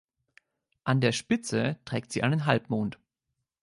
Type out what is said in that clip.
An der Spitze trägt sie einen Halbmond.